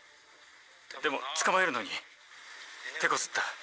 でもつかまえるのにてこずった」。